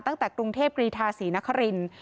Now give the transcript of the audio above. ตั้งแต่กรุงเทพฯกรีทาศรีนครินทร์